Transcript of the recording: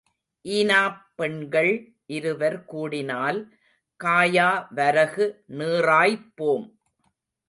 ஈனாப் பெண்கள் இருவர் கூடினால் காயா வரகு நீறாய்ப் போம்.